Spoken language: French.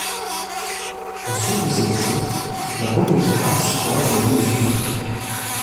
Au sud de celle-ci, la Brückenstrasse croise la ligne de chemin de fer.